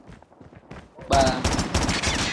Kpaa.